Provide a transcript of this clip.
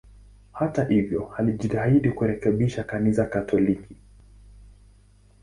Hata hivyo, alijitahidi kurekebisha Kanisa Katoliki.